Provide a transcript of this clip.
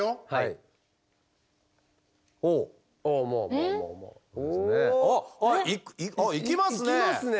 いくあっいきますね！